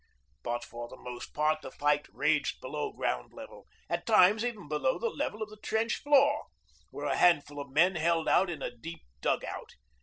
But for the most part the fight raged below ground level, at times even below the level of the trench floor, where a handful of men held out in a deep dug out.